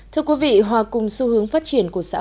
thưa quý vị hòa cùng xu hướng phát triển của các nhà khoa học